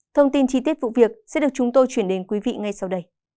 thông tin chi tiết vụ việc sẽ được chúng tôi chuyển đến quý vị ngay sau đây